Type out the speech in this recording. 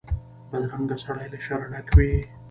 بدرنګه سړی له شره ډک وي